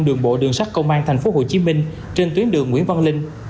đường bộ đường sắt công an thành phố hồ chí minh trên tuyến đường nguyễn văn linh